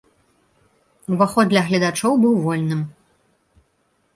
Уваход для гледачоў быў вольным.